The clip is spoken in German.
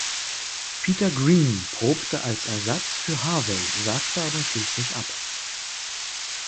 Peter Green probte als Ersatz für Harvey, sagte aber schließlich ab.